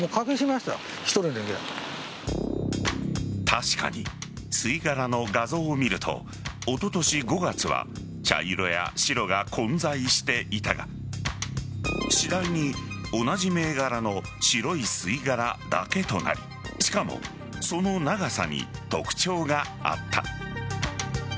確かに吸い殻の画像を見るとおととし５月は茶色や白が混在していたが次第に同じ銘柄の白い吸い殻だけとなりしかも、その長さに特徴があった。